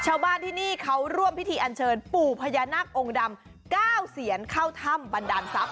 ชาวบ้านที่นี่เขาร่วมพิธีอันเชิญปู่พญานาคองค์ดำ๙เสียนเข้าถ้ำบันดาลทรัพย